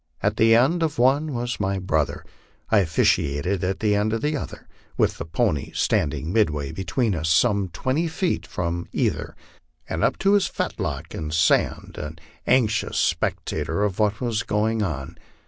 At the end of one was my brother. I officiated at the end of the other, with the pony standing midway between us, some twenty feet from either, and up to his fetlocks in sand, an anxious spec tator of what was going on.